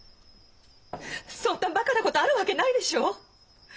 そんなバカなことあるわけないでしょう！